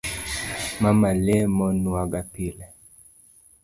Mama lemo nwaga pile